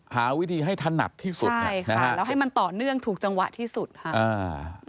หาวิธีให้ถนัดที่สุดใช่ค่ะแล้วให้มันต่อเนื่องถูกจังหวะที่สุดค่ะอ่า